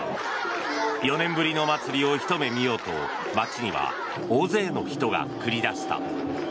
４年ぶりの祭りをひと目見ようと街には大勢の人が繰り出した。